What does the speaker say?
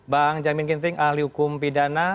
bang jamin ginting ahli hukum pidana